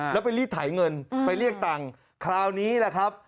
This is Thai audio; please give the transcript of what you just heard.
แล้วไปรีดไถเงินไปเรียกตังค์คราวนี้แหละครับ